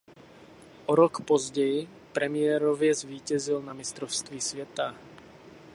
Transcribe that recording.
O rok později premiérově zvítězil na Mistrovství světa.